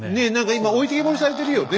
今置いてけぼりされてるよね